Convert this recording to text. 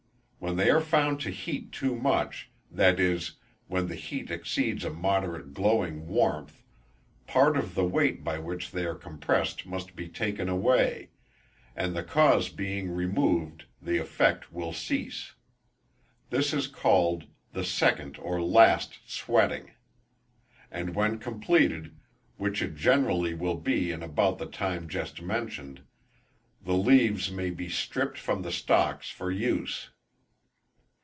When they are found to heat too much, that is, when the heat exceeds a moderate glowing warmth, part of the weight by which they are compressed must be taken away; and the cause being removed, the effect will cease. This is called "the second or last sweating," and when compleated, which it generally will be in about the time just mentioned, the leaves may be stripped from the stalks for use.